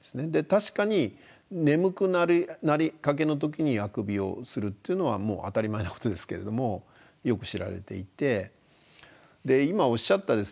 確かに眠くなりかけの時にあくびをするっていうのはもう当たり前なことですけれどもよく知られていて今おっしゃったですね